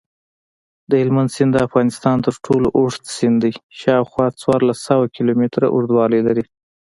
دهلمند سیند دافغانستان ترټولو اوږد سیند دی شاوخوا څوارلس سوه کیلومتره اوږدوالۍ لري.